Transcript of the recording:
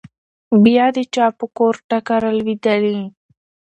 بيا د چا په کور ټکه رالوېدلې؟